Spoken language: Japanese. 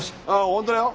本当だよ。